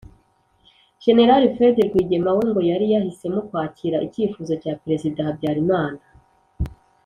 jenerali fred rwigema we ngo yari yahisemo kwakira icyifuzo cya perezida habyarimana,